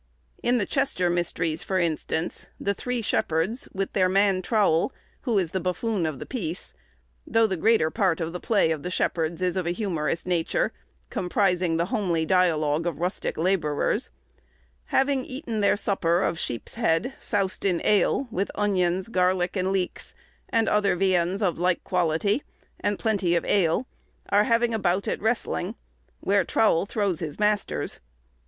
In the Chester mysteries, for instance, the three shepherds, with their man Trowle, who is the buffoon of the piece (though the greater part of the play of the shepherds is of a humorous nature, comprising the homely dialogue of rustic labourers), having eaten their supper of sheep's head, soused in ale, with onions, garlic, and leeks, and other viands of like quality, and plenty of ale, are having a bout at wrestling, where Trowle throws his masters.